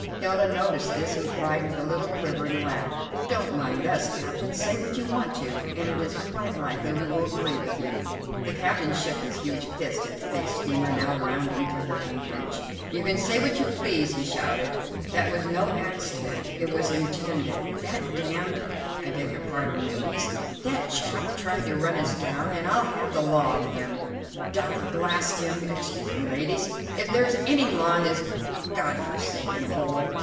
Hilda noticed this and cried with a little quivering laugh: "Don't mind us, captain; say what you want to, and it is quite likely we will agree with you." The captain shook his huge fist at the big steamer now rounding to her anchorage. "You can say what you please," he shouted; "that was no accident; it was intended. That damned, I beg your pardon, ladies, that chap tried to run us down, and I'll have the law of him, dod blast him, excuse me, ladies, if there's any law in this God forsaken hole!"